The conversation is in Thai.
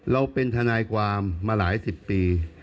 เราเป็นทนายความมาหลายสิบปี